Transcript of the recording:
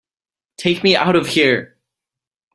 Take me out of here!